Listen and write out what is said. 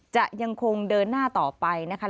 จะยังคงเดินหน้าต่อไปนะคะ